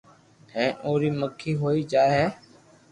ھين اوري مڪي ھوئي جائي ھي